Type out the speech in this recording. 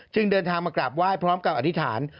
เดินทางมากราบไหว้พร้อมกับอธิษฐาน